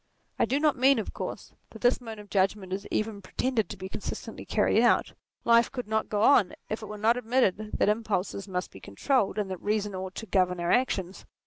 I do not mean, of course, that this mode of judgment is even pre tended to be consistently carried out : life could not go on if it were not admitted that impulses must be controlled, and that reason ought to govern our actions.